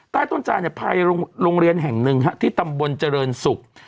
ใต้ต้นจานภายโรงเรียนแห่งหนึ่งที่ตำบลเจริญศุกร์